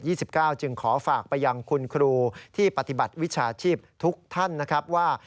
จึงขอฝากไปยังคุณครูที่ปฏิบัติวิชาชีพทุกท่านนะครับว่า